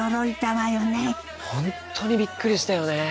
本当にびっくりしたよね。